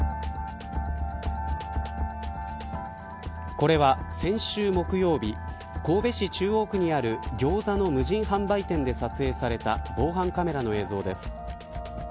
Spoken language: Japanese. これは先週木曜日神戸市中央区にあるギョーザの無人販売店で撮影された防犯カメラの映像です。